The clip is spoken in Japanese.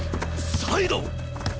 サイド！？